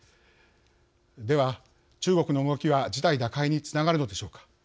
では、中国の動きは事態打開につながるのでしょうか。